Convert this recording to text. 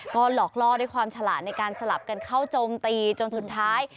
ก็หลอกล่อด้วยความฉลาดในการสลับกันเข้าโจมตีจนสุดท้าย